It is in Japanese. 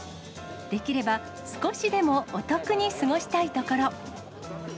できれば少しでもお得に過ごしたいところ。